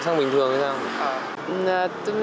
xăng bình thường hay sao